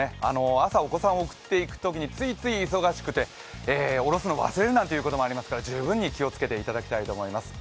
朝お子さんを送っていくときについつい忙しくて降ろすのを忘れるなんてこともありますから、十分に気をつけていただきたいと思います。